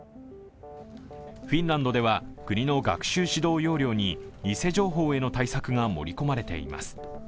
フィンランドでは、国の学習指導要領に偽情報への対策が盛り込まれています。